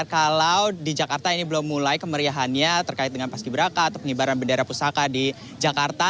kalau di jakarta ini belum mulai kemeriahannya terkait dengan paski beraka atau pengibaran bendera pusaka di jakarta